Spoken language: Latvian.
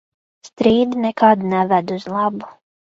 Strīdi nekad neved uz labu.